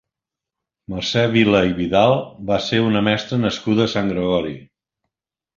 Mercè Vila i Vidal va ser una mestra nascuda a Sant Gregori.